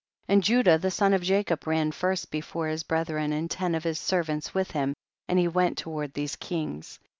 And Judah, the son of Jacob, ran first before his brethren, and ten of his servants with him, and he went toward these kings.